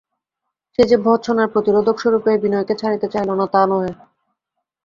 সে যে ভর্ৎসনার প্রতিরোধক-স্বরূপেই বিনয়কে ছাড়িতে চাহিল না তাহা নহে।